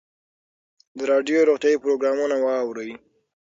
د راډیو روغتیایي پروګرامونه واورئ.